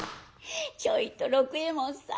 「ちょいと六右衛門さん